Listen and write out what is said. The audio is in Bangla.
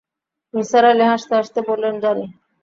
নিসার আলি হাসতে-হাসতে বললেন, জানি।